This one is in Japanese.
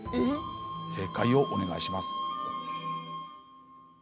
正解をお願いします。